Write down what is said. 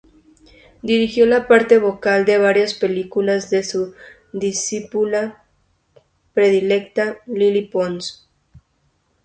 Dirigió la parte vocal de varias películas de su discípula predilecta Lily Pons.